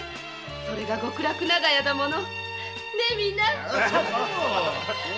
それが極楽長屋だもの。